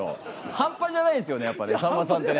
半端じゃないですよねやっぱねさんまさんってね。